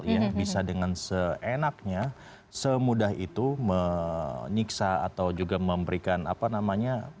ya bisa dengan seenaknya semudah itu menyiksa atau juga memberikan apa namanya